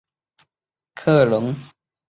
克隆泰尔湖是瑞士最老的水库。